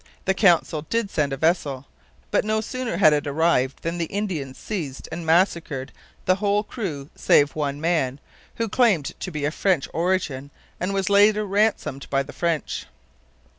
The Council did send a vessel. But no sooner had it arrived than the Indians seized and massacred the whole crew save one man, who claimed to be of French origin and was later ransomed by the French.